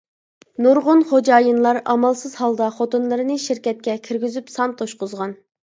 نۇرغۇن خوجايىنلار ئامالسىز ھالدا خوتۇنلىرىنى شىركەتكە كىرگۈزۈپ سان توشقۇزغان.